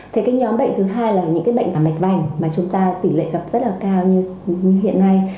thế cái nhóm bệnh thứ hai là những cái bệnh tả mạch vành mà chúng ta tỷ lệ gặp rất là cao như hiện nay